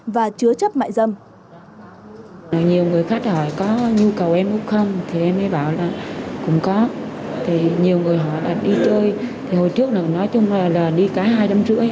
và chứa chấp mại dâm